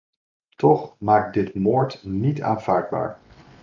Toch maakt dit moord niet aanvaardbaar.